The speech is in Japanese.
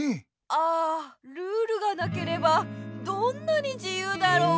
ああルールがなければどんなにじゆうだろう。